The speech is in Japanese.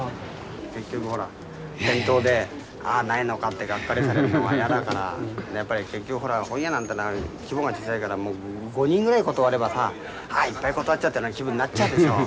結局ほら店頭で「ああないのか」ってがっかりされるのは嫌だから本屋なんてのは規模が小さいから５人ぐらい断ればさああいっぱい断っちゃったような気分になっちゃうでしょう？